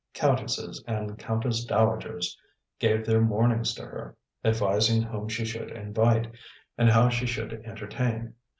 Countesses and countess dowagers gave their mornings to her, advising whom she should invite, and how she should entertain.